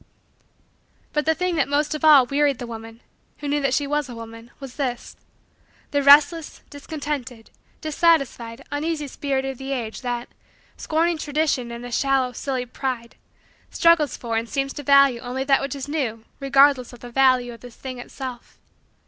But the thing that most of all wearied the woman, who knew that she was a woman, was this: the restless, discontented, dissatisfied, uneasy, spirit of the age that, scorning Tradition in a shallow, silly pride, struggles for and seems to value only that which is new regardless of the value of the thing itself.